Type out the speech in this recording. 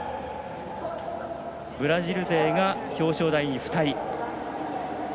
ブラジル勢が表彰台に２人。